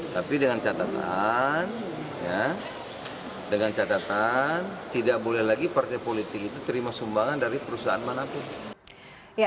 tapi dengan catatan dengan catatan tidak boleh lagi partai politik itu terima sumbangan dari perusahaan manapun